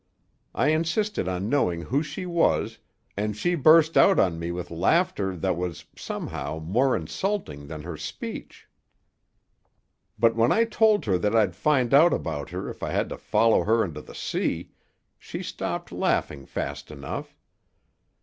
I insisted on knowing who she was, and she burst out on me with laughter that was, somehow, more insulting than her speech. But when I told her that I'd find out about her if I had to follow her into the sea, she stopped laughing fast enough.